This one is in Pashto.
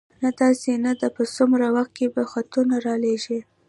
نه، داسې نه ده، په څومره وخت کې به خطونه را لېږې؟